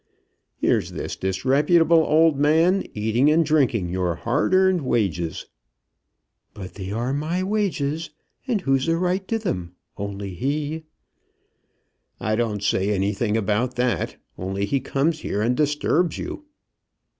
"Here's this disreputable old man eating and drinking your hard earned wages." "But they are my wages. And who's a right to them, only he?" "I don't say anything about that, only he comes here and disturbs you."